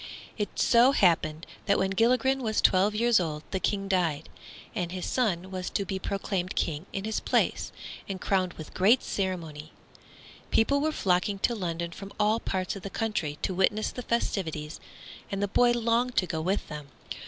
It so happened that when Gilligren was twelve years old the King died, and his son was to be proclaimed King in his place, and crowned with great ceremony. People were flocking to London from all parts of the country, to witness the festivities, and the boy longed to go with them.